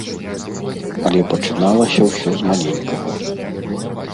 Але пачыналася ўсё з маленькага.